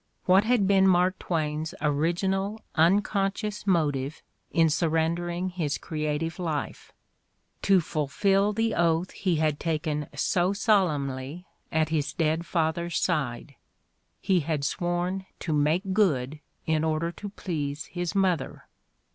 What had been Mark Twain's original, un ponseious motive in surrendering his creative life? To ttulfiU the oath he had taken so solemnly at his dead /father's side; he had sworn to "make good" in order to please his mother.